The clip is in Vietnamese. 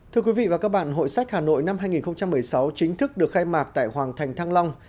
thưa quý vị và các bạn hội sách hà nội năm hai nghìn một mươi sáu chính thức được khai mạc tại hoàng thành thăng long